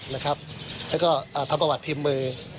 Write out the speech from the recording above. แล้วก็ทำประวัติพิมพ์มือ